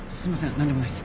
何でもないっす。